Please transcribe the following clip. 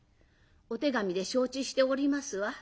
お手紙で承知しておりますわ。